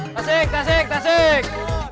tasik tasik tasik